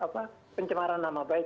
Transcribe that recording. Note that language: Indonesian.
pencemaran nama baik